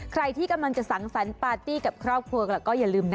ใครที่กำลังจะสังสรรค์ปาร์ตี้กับครอบครัวก็อย่าลืมนะ